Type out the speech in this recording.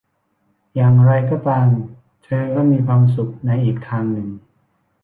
อย่างไรก็ตามเธอก็มีความสุขในอีกทางหนึ่ง